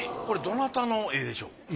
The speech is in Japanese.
これどなたの絵でしょう？